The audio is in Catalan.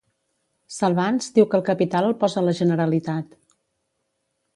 Salvans diu que el capital el posa la Generalitat.